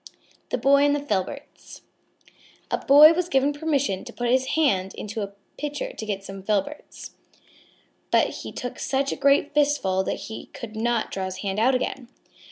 _ THE BOY AND THE FILBERTS A Boy was given permission to put his hand into a pitcher to get some filberts. But he took such a great fistful that he could not draw his hand out again.